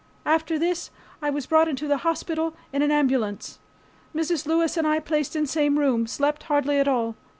After this I was brought into the hospital in an ambulance. Mrs. Lewis and I placed in same room. Slept hardly at all.